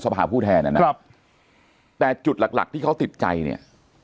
สมภาพผู้แทนนั่นน่ะครับแต่จุดหลักที่เขาติดใจเนี้ย